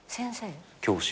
教師。